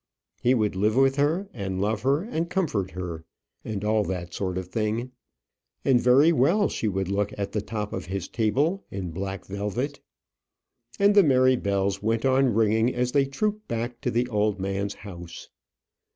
He would live with her, and love her, and comfort her, and all that sort of thing; and very well she would look at the top of his table, in black velvet. And the merry bells went on ringing as they trooped back to the old man's house.